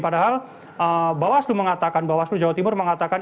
padahal bawaslu mengatakan bawaslu jawa timur mengatakan